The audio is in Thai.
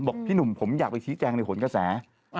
พี่หนุ่มผมอยากไปชี้แจงในหนกระแส